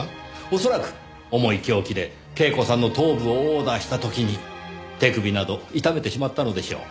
恐らく重い凶器で恵子さんの頭部を殴打した時に手首など痛めてしまったのでしょう。